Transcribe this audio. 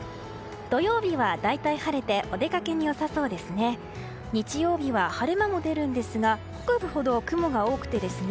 土曜日は大体晴れてお出かけに良さそうですね。